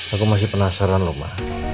aku masih penasaran loh ma